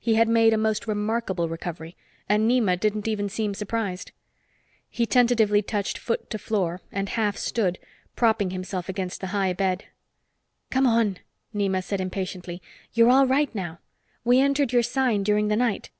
He had made a most remarkable recovery, and Nema didn't even seem surprised. He tentatively touched foot to floor and half stood, propping himself against the high bed. "Come on," Nema said impatiently. "You're all right now. We entered your sign during the night."